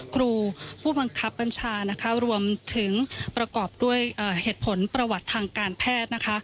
ครูผู้บังคับบัญชานะคะรวมถึงประกอบด้วยเหตุผลประวัติทางการแพทย์นะคะ